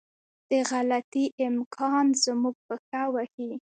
د غلطي امکان زموږ پښه وهي.